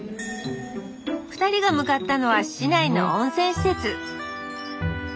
２人が向かったのは市内の温泉施設